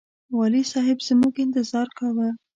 والي صاحب زموږ انتظار کاوه.